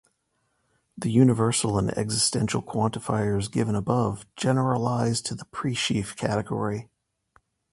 The universal and existential quantifiers given above generalize to the presheaf category.